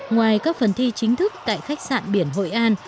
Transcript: ngoài các phần thi chính thức tại khách sạn biển hội an